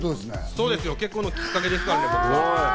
そうですよ、僕、結婚のきっかけですからね。